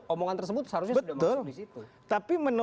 omongan tersebut seharusnya sudah masuk di situ